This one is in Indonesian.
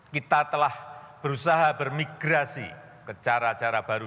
kita telah berusaha bermigrasi ke cara cara baru